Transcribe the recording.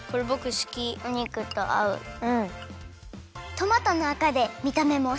トマトのあかでみためもおしゃれ！